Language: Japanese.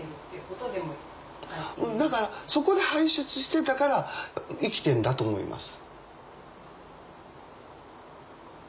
だからそこで排出してたから生きてんだと思います。